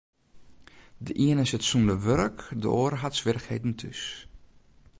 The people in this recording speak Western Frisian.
De iene sit sûnder wurk, de oare hat swierrichheden thús.